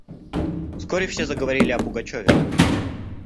Вскоре все заговорили о Пугачеве.